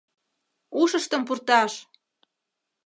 — Ушыштым пурташ!